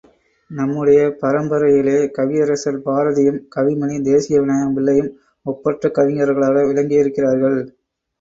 நம்முடைய பரம்பரையிலே கவியரசர் பாரதியும், கவிமணி தேசிக விநாயகம் பிள்ளையும் ஒப்பற்ற கவிஞர்களாக விளங்கியிருக்கிறார்கள்.